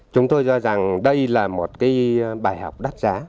chúng tôi do rằng đây là một bài học đắt giá